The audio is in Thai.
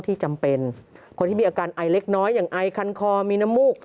จำเป็นคนที่มีอาการไอเล็กน้อยอย่างไอคันคอมีน้ำมูก